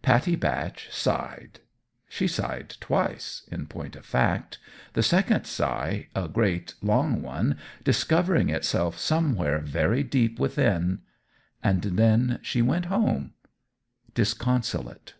Pattie Batch sighed: she sighed twice, in point of fact the second sigh, a great, long one, discovering itself somewhere very deep within and then she went home disconsolate.